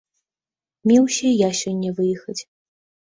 Меўся і я сёння выехаць.